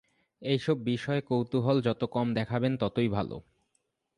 এইসব বিষয়ে কৌতূহল যত কম দেখাবেন ততই ভালো।